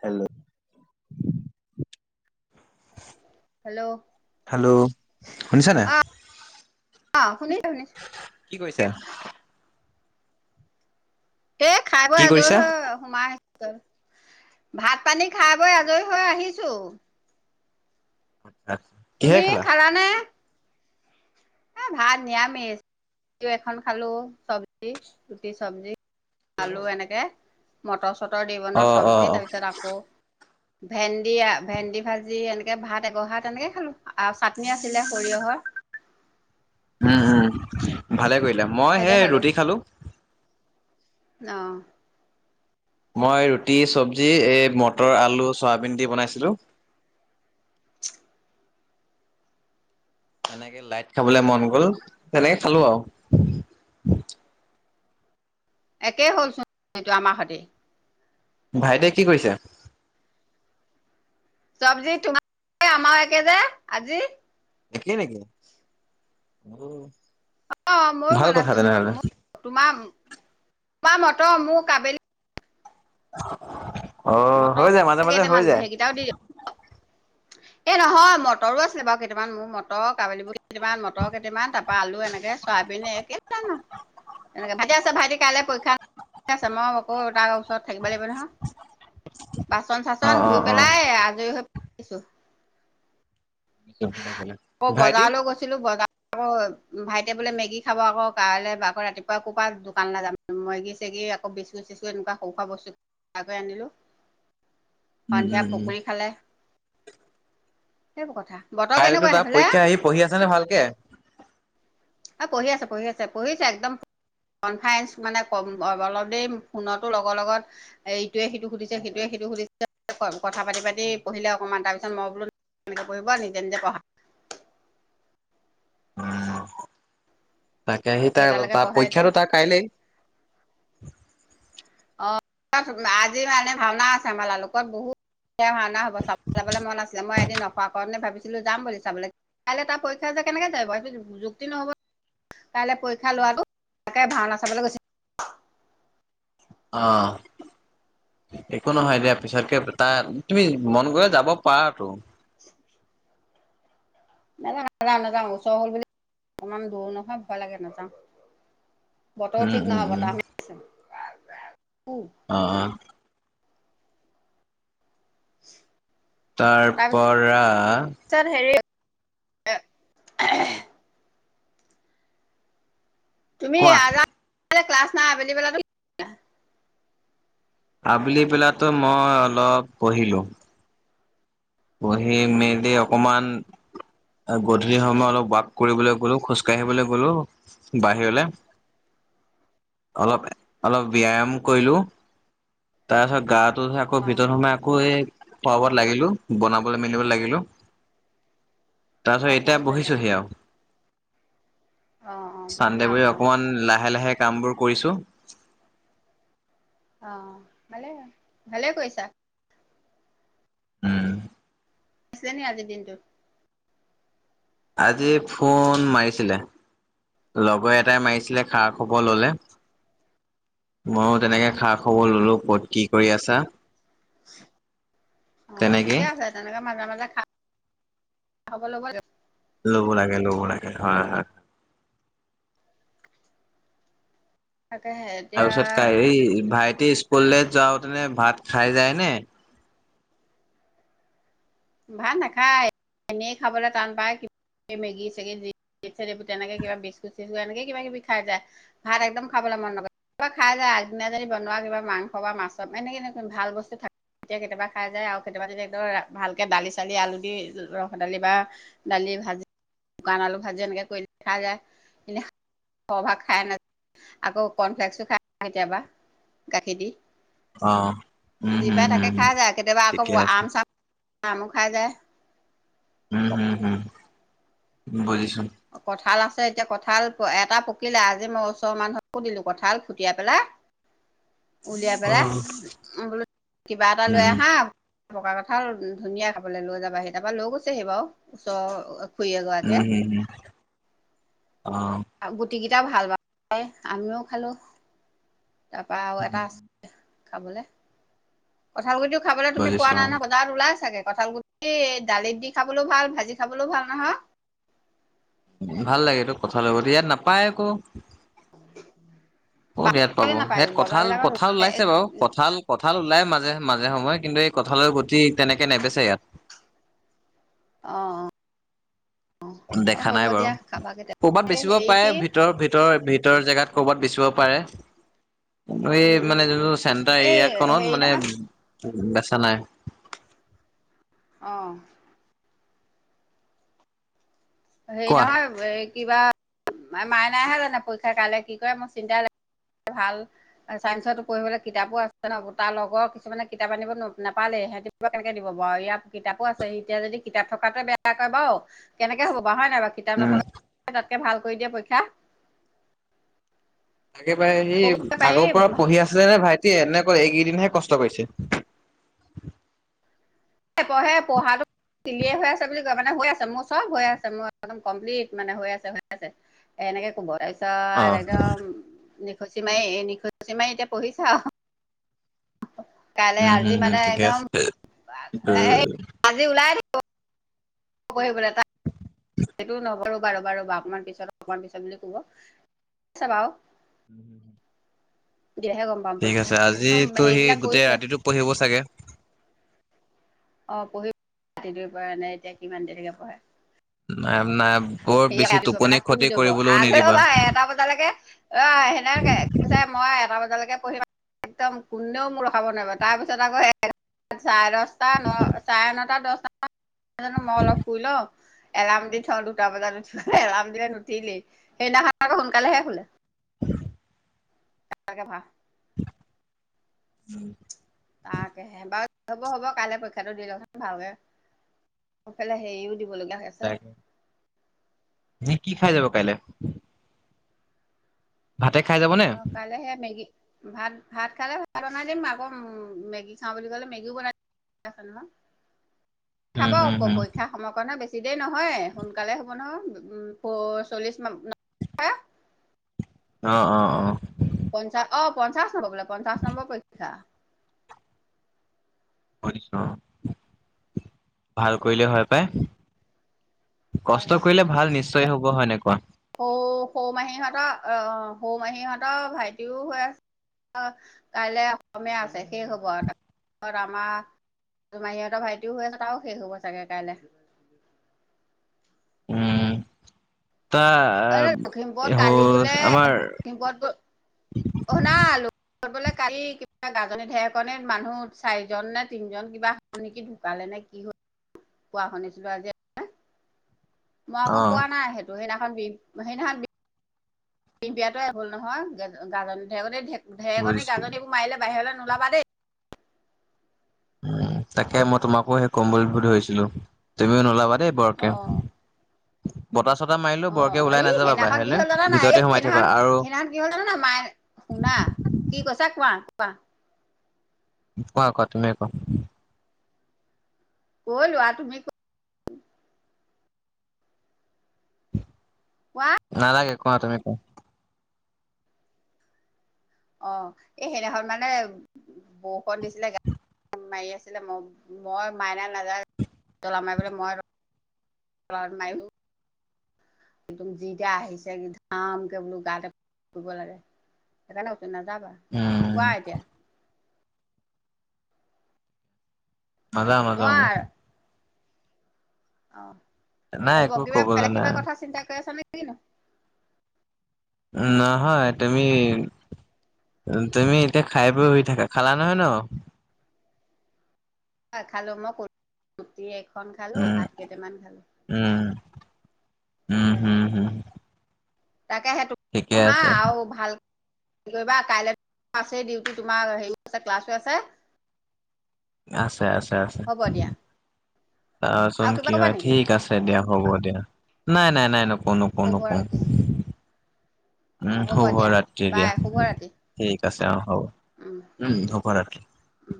Hello. Hello hello শুনিছ নে অ শুনিছনে? কি কৈছা এ খাই বই কি আজৰি কৰিছা? হৈ সোমাই ভাত পানী খাই বৈ আজৰি হৈ আহিছোঁ। তুমি খালা নে এ ভাত নিৰামিষ ৰুটি এখন খালো চব্জি ৰুটি চব্জি আলু এনেকে মটৰ চটৰ দি বনোৱা অ', অ', চবজি অ', তাৰপিছত আকৌ ভেন্দি ভেন্দি ভাজি এনেকে ভাত এগঢ়া ভাত এনেকে খালো আৰু চাটনি আছিলে সৰিয় হৰ। উম উম ভালে কৰিলে মই সেইতে হেই ৰুটি খালো। ন মই ৰুটি চব্জি এই মটৰ আলু চয়াবিন দি বনাইছিলোঁ [inaudible] তেনেকে লাইট খাবলে মন গল তেনেকে খালো আও একেই হ'লচোন [unintelligible] আমাৰ সৈতে ভাইটিয়ে কি কৰিছে চব্জি তোমাৰো আমাৰো একেই যে আজি একেই নেকি অ অ মইয়ো ভাল কথা বনাইছো মই তেনেহ'লে। মোৰ তোমাৰ তোমাৰ মটৰ মোৰ কাবেলি আহ মটৰ হৈ যায় মাজে মাজে হৈ যায় এ নহয় মটৰো আছিলে বাৰু কেইটামান, মোৰ মটৰ, কাবোলিবুট কেইটামান মটৰ কেইটামান তাৰ পা আলু এনেকে চয়াবিন একেই জানো এনেকে ভাইটি আছা ভাইটি কাইলে পৰীক্ষা ক্ষা আছে মই আকৌ তাৰ ওচৰত থাকিব লাগিব নহয় বাচন চাচন অ', ধুই অ', অ', পেলাই আজৰি হৈ পৰিছো আকৌ ভাইটি বজাৰলো গৈছিলো বজাৰ আকৌ ভাইটিয়ে বোলে মেগী খাব, আকৌ কাইলৈ আকৌ ৰাতিপুৱা ক'পা দোকানলে যাম মেগী চে এদেগি বিস্কুট চিচকুট এনেকুৱা সৰু সোৱা বস্তু আনিলো উম, সন্ধিয়া উম, উম। পকৰি খালে সেইবোৰ কথা বতৰ কাইলৈতো কেনেকুৱা তাত সেইফালে পৰীক্ষা সি পঢ়ি আছে নে ভালকে অ পঢ়ি আছে পঢ়ি আছে পঢ়িছে একদম কনফাৰেন্ঞ্চ মানে ক অলপতে ফোনতো লগৰ লগত এ ইটোৱে সিটো সুধিছে সেইটোৱে সুধিছে কথা পাতি পাতি পঢ়িলে অকণমান তাৰপিছত মই বোলো এনেকে পঢ়িব নিজে নিজে পঢ়া [unintelligible] আহ তাকে সি কেইটালৈকে তা-তাৰ পঢ়ে এতিয়া পৰীক্ষাটো তাৰ কাইলেই অ আজি মানে ভাওনা আছে আমাৰা লালোকত বহুত য়া ভাওনা হব চাব যাবলে মন আছে মই ন-খোৱা কাৰণে ভাবিছিলো যাম বুলি চাবলে। কাইলৈ তাৰ পৰীক্ষা যে কেনেকে যাব সেইটো যু-যুক্তি নহ'ব। কাইলে পৰীক্ষা লৱাটো তাকে ভাওনা চাবলে গৈছে আহ একো নহয় দিয়া, পিছতকে তা-তাৰ তুমি মন গ'লে যাব পাৰাতো নযা নাযাওঁ নাযাওঁ ওচৰ হল বুলি অকমান দূৰ নহয় ভয় লাগে নাযাওঁ উম বতৰো ঠিক উম নহয় উম বতাহ মাৰি আছে অ'। [inaudible] তাৰ পৰা এ তুমি কোৱা ক্লাছ নাই আবেলি বেলাতো আবেলি বেলাতো মই অলপ পঢ়িলো। বহি মেলি ভাল কৰিলা অকমান গধূলি সময় অলপ বাক কৰিবলৈ গলো খোজকাাঢ়িবলৈ গলো বাহিৰলৈ অলপ অলপ ব্যায়াম কৰিলো তাৰ পিছত গাতো ধূই আকৌ অ ভিতৰত সোমাই আকৌ এই খোৱা বোৱাত লাগিলো বনাবলে মেলিব লাগিলো অ তাৰপিছত ভাল এতিয়া কৰিলা অ বহিছোহি আও অ অ চান্দে পঢ়া বোলি অকমান লাহে লাহে কাম বোৰ কৰিছো অ ভালে ভালে কৈছা উম আছে নি আজি দিনটো আজি ফোন মাৰিছিলে লগৰ এটা টাই মাৰিছিলে অ খা খবৰ ললে মইয়ো তেনেকে খা খবৰ ললো ক'ত কি কৰি আছা অ', তেনেকে ঠিকে আছে তেনেকে মাজে মাজে খাব ল'ব ল'ব লাগে ল'ব লাগে হয় হয়। তাকেহে তাৰপিছত এতিয়া ক ভাইটি স্কুললৈ যাওতেনে ভাত খাই যায়নে ভাল নাখায় এনেই খাবলৈ টান পায় মেগী সেগী তেনেকে কিবা বিস্কুট চিস্কুত এনেকে কিবা কিবি খাই যায়, ভাত একদম খাব মন ন কিবা খাই যায় আগদিনা যদি বনোৱা কিবা মাংস বা মাছ অনেকেনেকুন ভাল বস্তু থাকে তেতিয়া কেতিয়াবা খাই যায় আৰু কেতিয়াবা তেতিয়া একদম ভাল কে দালি চালি আলু দি ৰহৰ দালি বা দালি, ভাজি শুকান আলু ভাযি এনেকে কৰি খাই যায় এনে খভাগ খাই নাযায় আকৌ কৰ্ণফ্লেক্সো খাই কেতিয়াবা গাখীৰ দি। অ', উম, যি হম, পাই হম, তাকে হম, খাই যায় কেতিয়াবা আকৌ ঠিকে আছে আম চাম আমু খাই যায়। উম হম হম, বুজিছো। কঁঠাল আছে এতিয়া কঁঠাল এটা পকিলে আজি মই ওচৰ মানুহকো দিলো কঁঠাল ফুটিয়াই পেলাই। উলিয়াই অ', পেলাই উম, বোলো কিবা এটা লৈ উম, আহা পকা কথা ধুনীয়া খাবলৈ লৈ যাবাাহি তাৰপা লৈ গৈছেহি বাৰু ওচৰৰ খুৰী উম এগৰাকীয়ে হুম হুম। গুটিকেইটা ভাল পায় আমিও খালোঁ। তাৰ পৰাা আৰু এটা আছে খাবলে ভালকুি খাব তুমি পোৱা বুজিছো নাই নয় বজাৰ ওলাই ছাগে। কঁঠাল গুটি দালিত দি খাবলৈ ভাল ভাজি খাবলৈও ভাল নহয়। ভাল লাগে তো কথা ল ইয়াত নাপায় আকৌ কত ইয়াত পাব, নাপায় ইয়াত বজাৰ কঁঠাল বিলাকত কঁঠাল ওলাইছে বাৰু কঁঠাল কঁঠাল ওলাই মাজে মাজে সময়ে কিন্তু এই কঁঠালৰ গতি তেনেকে নেবেচে ইয়াত। অ'। অ দেখা হ'ব নাই দিয়া বাৰু, খাবা ক'ৰবাত কেতিয়া বেচিব হেৰি পাৰে কি ভিতৰ-ভিতৰ-ভিত ভাতৰ জেগাত ক'ৰবাত বিচিব পাৰে। এই উম উম মানে উম যোনটো চেণ্টাৰ এই হেৰি এৰিয়াখনত নহয় মানে বাছা নাই? অঁ হেৰি কোৱা নহয় এ কিবা মাই নাই হে জানা পৰীক্ষা কাইলৈ কি কৰে মোৰ চিন্তা লাগে ভাল চাইন্সতো পঢ়িবলৈ কিতাপো আছে ন তাৰ লগৰ কিছুমানে কিতাপ আনিব নাপালে হতি কেনেকে দিব বাৰু ইয়াৰ কিতাপো আছে স এতিয়া যদি কিতাপ থকাাতে বেয়া কয় বাৰ কেনেকে হ'ব বাৰু হয় নাই বাৰু কিতাপ উম। নথকা তাতকে ভাল কৰি দিয়ে পৰীক্ষা তাকেবাৰে সি ক'ব আগৰ পৰা পাৰি পঢ়ি আছিলে নে ভাইট তিয়ে নে অকল এনেকৈ এইকেইদিনহে কষ্ট কৰিাইছে? এ পঢ়ে পঢ়াটো চিলিয়ে হৈ আছে বুলি কয় মানে মানে হৈ আছে মোৰ চব হৈ আছে মোৰ একদম কমপ্লিট মানে হৈ আছে হৈ আছে এনেকে কব। তাৰপিছত অ' একদম নিখোচি মাৰি নিখোচী মাৰি এতিয়া পঢ়িছা আৰু। কাইলে উম, আজি হম, হম মানে ঠিকে একদম, আছে। আজি ওলাই পঢ়িবলৈ তাই সেইটো নকৰো বাৰু-বাৰু বা অকমান পিছত অকমান পিছত বুলি কব আ বাৰু। উম হুম হু। তেতিয়াহে গম পাম ঠিক পৰীক্ষা আছে আজিতো সি হেৰিবিলাক গোটেই কৰিছে ৰাতিটো পঢ়িব চাগে। অ', পঢ়ি ৰাতি দুৰি পৰা নাই এতিয়া কিমান দেৰিকে পঢ়ে। আম কত সেয়া ৰাতিপুৱা কে পেলাই শুই লব আগ ৰবা এটা বজালৈকে অ' সেনেকে কৈছে মই এ এটা বজালৈকে পঢ়িম একদম কোনেও মোক ৰখাব নোৱাৰিব তাৰপিছত আকৌ চাৰে দচটা ন চাৰে নটা দছটা জানো মই অলপ শুই লওঁ এলাৰ্ম দি থওঁ দুটা বজাত নোঠালে এলাম দিলে নুঠিলেই সেইদিনাখন আকৌ সোনকালেহে শুলে। [unintelligible] উম। তাকেহে বাৰু হ'ব-হ'ব কাইলে পৰীক্ষাটো দি লচোন ভালকে। সফালে হেৰিও দিব লগা হৈ আছে। তাকে [unintelligible] কি খাই যাব কাইলে? ভাতে খাই যাব নে? অ', কাইলয় সেয়া মেগী, ভাত ভাত খালে ভাত বনাই দিম, আকৌ মেগী খাওঁ বুলি ক'লে মেগীও বনাই দিম। খাব উম হুম উপ হুম। পৰীক্ষাৰ সমৰ কাৰণে বেছি বেছি দেৰি নহয় সোনকালে হব নহয় প-চল্লিছ ম। [unintelligible] অ', অ'-অ। পঞ্চাশ অ' পঞ্চাশ নম্বৰ বোলে পঞ্চাশ নম্বৰ পৰীক্ষা। [unintelligible] ভাল কৰিলে কথাটো হয় পাই। হয় কষ্ট হয় কৰিলে ভাল নিশ্চয় হব হয়নে কোৱা? সৌ সৌ মাহীহঁতৰ অ, সৌ মাহী হহতৰ ভাইটিও হৈ আছে। কাইলৈ অসমীয়া আছে শেষ হ'ব আৰু তাৰপিছত আমাৰ তোমাৰ সিহঁতৰ ভাইটিও হৈ আছ তাৰো শেষ হ'ব চাগে কাইলে। [inaudible] তা এনে লখিমপুৰত কালি হ'ল বোলে আমাৰ লখিমপুৰত অনাল বেলে কালি কি গাজনী ধেৰেকণিত মানুহ চাৰিজন নে তিনিজন কিবা হল নেকি ঢুকালে নে কি হল। পোৱা শুনিছিলো আজি মই অ আকৌ পোৱা নাই সেইটো সেইদিনাখন বি সেইদিনাখন বি পিম্পিয়াতোয়ে হ'ল নহয় গাজন ঢেৰেকনী বুজিছো গাজনীবোৰ মাৰিলে বাহিৰলৈ নোলাবা দেই। হুম, তাকে মই তোমাকো সেই কম বুলি ভাবছিলো তুমিও নোলাবা দে বৰকে। অ বতাহ চতাহ মাৰিলেও অ', বৰকে ওলাই অ'এই নাযাবা সেইদিনাখন কি বাহিৰলে। হল জানা' নাই ভিতৰতে এই সোমাই থাকিবা সেইদিনাখন আৰু সেইদিনাখন কিহল জান' নাই মায়ে সোনা কি কইচা কোৱা কোৱা কোৱা কোৱা তুমিয়ে কোৱা? [unintelligible] লোৱা তুমি কোৱা নালাগে কোৱা তমি কোৱা। অ' এই সেইদিনাখন মানে বৰষুণ দিছিলে গা মাৰি আছিলে মই মই মাইনা নাযায় জলা মাৰিবলৈ মই [unintelligible] একদম যিতিয়া আহিছে কি ধামকে বোলো গাতেু ৰুব লাগে সেইকাৰণে নাযাবা, উম কোৱা এতিয়া? নাযাওঁ কোৱা নাযাওঁ মই। অ', নাই হ'ব একো কিবা কবলৈ বেলেগ কিবা নাই কথা চিন্তা কৰি আছা নেকি কিনো? নহয় তুমি তুমি এতিয়া খাই বয় শুই থাকা খালা নহয় ন? খালো মই ৰুটি এখন খালো উম ভাত কেইটামান খালো। উম উম, হম, হম। তাকে সেইতো ঠিকে নহা আছে আৰু ভাল কি কৰিবা কাইলে আছেই ডিউটি তোমাৰ হেৰী আছে ক্লাছও আছে। আছে আছে আছে, হ'ব দিয়া চাচোন আৰু কিবা কি ক'বা হয়। নেকি ঠিক আছে দিয়ক। হ'ব দিয়া। নাই নাই নাই নকওঁ নকওঁ শুভ নকওঁ। ৰাতি উম অ হ'ব দিয়া শুভৰাত্ৰি বাই শুভ দিয়া, ৰাতি ঠিক আছে অ হ'ব উম শুভৰাত্ৰি। উম